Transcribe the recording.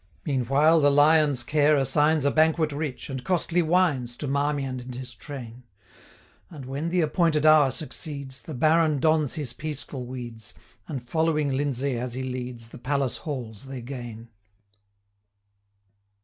Meanwhile the Lion's care assigns A banquet rich, and costly wines, 165 To Marmion and his train; And when the appointed hour succeeds, The Baron dons his peaceful weeds, And following Lindesay as he leads, The palace halls they gain.